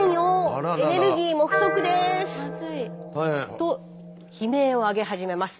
と悲鳴を上げ始めます。